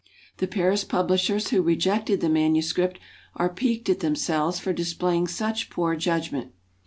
The Paris publishers who rejected the manuscript are piqued at themselves for displaying such poor judgment.